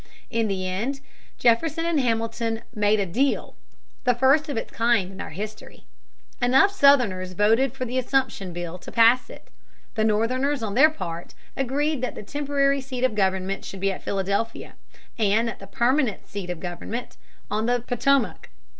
In the end Jefferson and Hamilton made "a deal," the first of its kind in our history. Enough Southerners voted for the assumption bill to pass it. The Northerners, on their part, agreed that the temporary seat of government should be at Philadelphia, and the permanent seat of government on the Potomac.